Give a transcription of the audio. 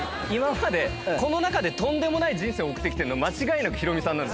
今までこの中でとんでもない人生送ってきてるの。